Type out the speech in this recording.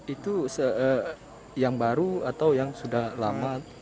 itu yang baru atau yang sudah lama